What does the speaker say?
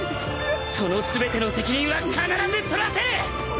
その全ての責任は必ず取らせる！